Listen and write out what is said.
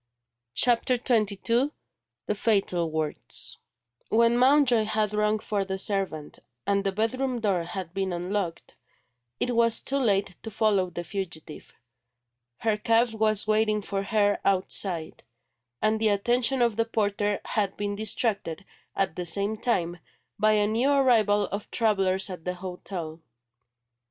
CHAPTER XXII THE FATAL WORDS WHEN Mountjoy had rung for the servant, and the bedroom door had been unlocked, it was too late to follow the fugitive. Her cab was waiting for her outside; and the attention of the porter had been distracted, at the same time, by a new arrival of travellers at the hotel.